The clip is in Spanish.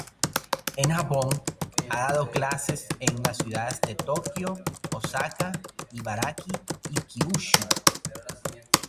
En Japón, ha dado clases en las ciudades de Tokio, Osaka, Ibaraki y Kyushu.